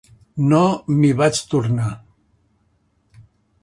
No m'hi vaig tornar.